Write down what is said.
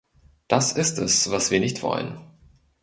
Das ist es, was wir nicht wollen.